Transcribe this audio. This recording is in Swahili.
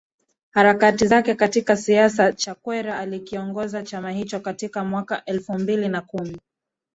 Harakati zake katika siasa Chakwera alikiongoza chama hicho katika mwaka elfu mbili na kumi